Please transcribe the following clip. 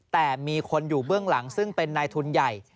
แต่มีคนอยู่เบื้องหลังซึ่งเป็นนายทุนใหญ่